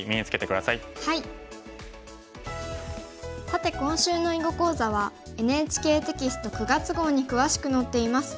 さて今週の囲碁講座はＮＨＫテキスト９月号に詳しく載っています。